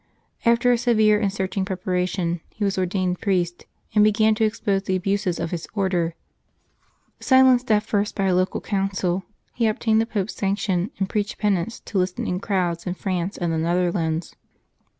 After a severe and searching preparation, he was ordained priest, and began to expose the abuses of his Order. Silenced at first by a local council, he obtained the Pope's sanction and preached penance to listening crowds in France and the Netherlands.